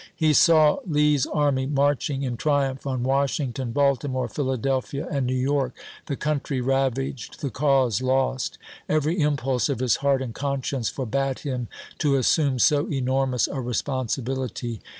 He saw Lee's army marching in triumph on Washington, Baltimore, Philadelphia, volI^x., and New York, the country ravaged, the cause p.^65." lost. Every impulse of his heart and conscience forbade him to assume so enormous a respon sibility.